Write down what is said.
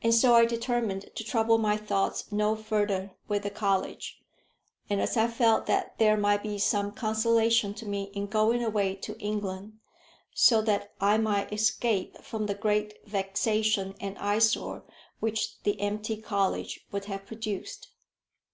And so I determined to trouble my thoughts no further with the college. And I felt that there might be some consolation to me in going away to England, so that I might escape from the great vexation and eyesore which the empty college would have produced.